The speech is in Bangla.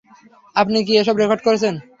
আপনি কি এসব রেকর্ড করছেন?